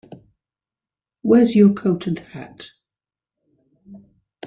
Where's your coat and hat?